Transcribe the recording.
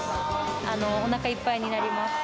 おなかいっぱいになります。